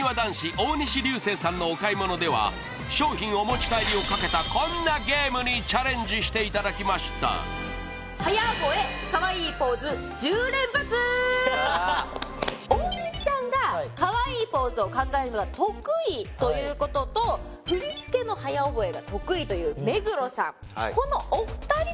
大西流星さんのお買い物では商品お持ち帰りをかけたこんなゲームにチャレンジしていただきました大西さんがかわいいポーズを考えるのが得意ということと振り付けの早覚えが得意という目黒さん